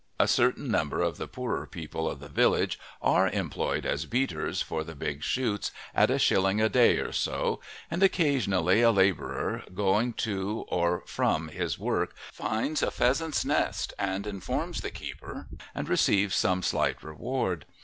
A certain number of the poorer people of the village are employed as beaters for the big shoots at a shilling a day or so, and occasionally a labourer, going to or from his work, finds a pheasant's nest and informs the keeper and receives some slight reward.